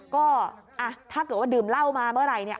ก็ถ้าเกิดว่าดื่มเหล้ามาเมื่อไหร่เนี่ย